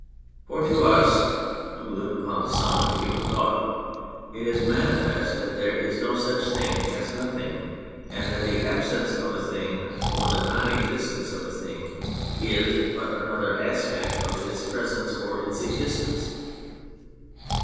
For to us who live upon the summit of human thought it is manifest that there is no such thing as nothing, and that the absence of a thing or the non existence of a thing is but another aspect of its presence or its existence.